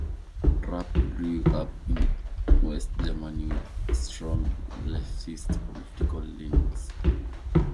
Rupp grew up in West Germany with strong leftist political leanings.